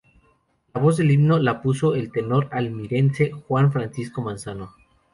La voz del himno la puso el tenor almeriense Juan Francisco Manzano.